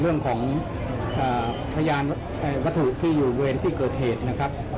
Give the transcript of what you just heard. เรื่องของพยานวัตถุที่อยู่บริเวณที่เกิดเหตุนะครับ